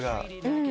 うん。